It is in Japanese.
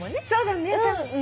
そうだね。